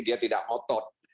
dia tidak otot